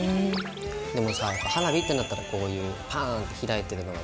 でもさ花火ってなったらこういうパーンって開いてるのがね。